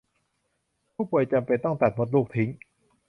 ผู้ป่วยอาจจำเป็นต้องตัดมดลูกทิ้ง